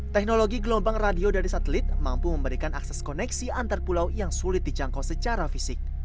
teknologi gelombang radio dari satelit mampu memberikan akses koneksi antar pulau yang sulit dijangkau secara fisik